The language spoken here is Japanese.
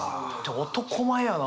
男前やな